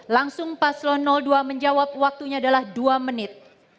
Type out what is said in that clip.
langsung paslon dua menjawab waktunya adalah dua menit